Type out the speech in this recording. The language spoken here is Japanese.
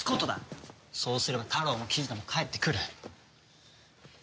そうすればタロウも雉野も帰ってくる。